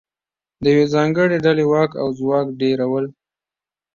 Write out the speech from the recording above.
د یوې ځانګړې ډلې واک او ځواک ډېرول